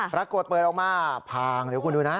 ปรากฏเปิดออกมาผ่างเดี๋ยวคุณดูนะ